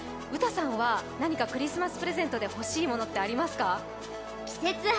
ウタさんは何かクリスマスプレゼントで欲しいものってありますか？